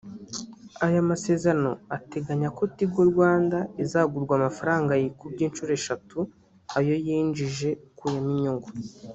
Aya masezerano ateganya ko Tigo Rwanda izagurwa amafaranga yikubye inshuro esheshatu ayo yinjije ukuyemo inyungu